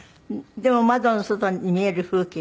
でも窓の外に見える風景がね。